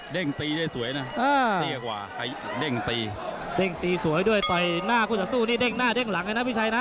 เด้งตีได้สวยนะอ่าเด้งตีสวยด้วยต่อยหน้าคุณสัตว์สู้นี่เด้งหน้าเด้งหลังเลยนะพี่ชัยนะ